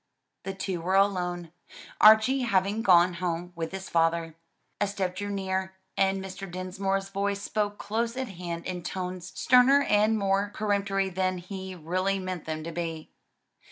The two were alone, Archie having gone home with his father. A step drew near, and Mr. Dinsmore's voice spoke close at hand in tones sterner and more peremptory than he really meant them to be.